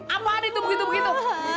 apaan itu begitu begitu